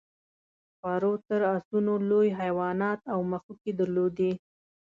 سپارو تر اسونو لوی حیوانات او مښوکې درلودې.